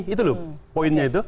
itu lho poinnya itu